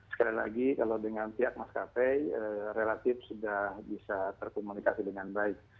sekali lagi kalau dengan pihak maskapai relatif sudah bisa terkomunikasi dengan baik